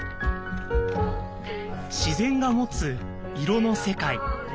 自然が持つ色の世界。